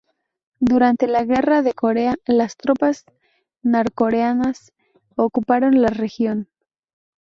Durante la Guerra de Corea, las tropas norcoreanas ocuparon la región.